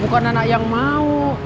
bukan nana yang mau